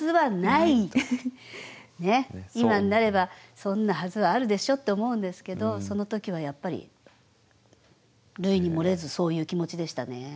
今になればそんなはずはあるでしょって思うんですけどその時はやっぱりるいに漏れずそういう気持ちでしたね。